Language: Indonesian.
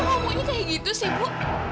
ibu kok ngomongnya kayak gitu sih ibu